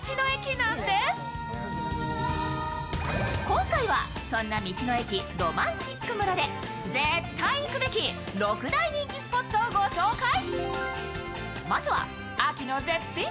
今回はそんな道の駅ろまんちっく村で絶対行くべき６大人気スポットをご紹介。